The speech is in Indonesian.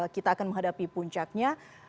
kita akan menghadapi puncaknya